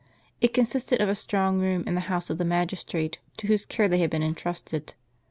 It consisted of a strong room in the house of the magistrate to whose care they had been intrusted.